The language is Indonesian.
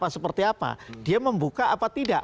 seperti apa dia membuka apa tidak